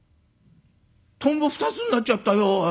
トンボ二つになっちゃったよおい。